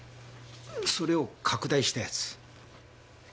それを拡大したやつ。